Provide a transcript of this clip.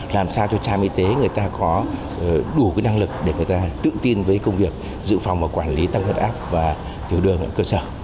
làm sao cho trạm y tế người ta có đủ năng lực để người ta tự tin với công việc dự phòng và quản lý tăng huyết áp và tiểu đường ở cơ sở